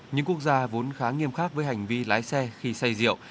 những quốc gia vốn khá nghiêm khắc với hành vi lái xe khi say rượu